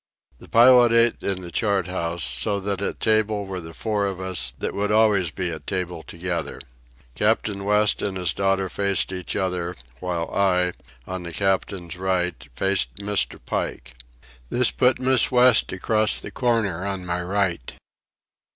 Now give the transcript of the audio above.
The pilot ate in the chart house, so that at table were the four of us that would always be at table together. Captain West and his daughter faced each other, while I, on the captain's right, faced Mr. Pike. This put Miss West across the corner on my right.